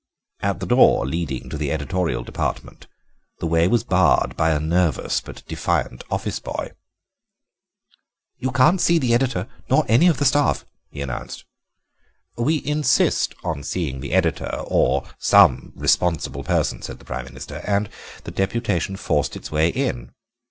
At the door leading to the editorial department the way was barred by a nervous but defiant office boy. "'You can't see the editor nor any of the staff,' he announced. "'We insist on seeing the editor or some responsible person,' said the Prime Minister, and the deputation forced its way in.